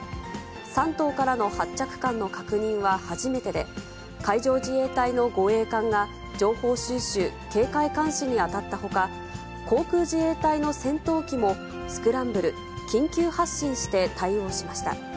山東からの発着艦の確認は初めてで、海上自衛隊の護衛艦が情報収集、警戒監視に当たったほか、航空自衛隊の戦闘機も、スクランブル・緊急発進して対応しました。